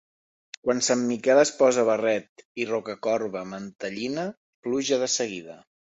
Quan Sant Miquel es posa barret i Rocacorba mantellina, pluja de seguida.